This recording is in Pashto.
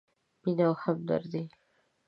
مینه او همدردي: